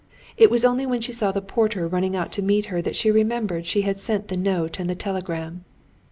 It was only when she saw the porter running out to meet her that she remembered she had sent the note and the telegram.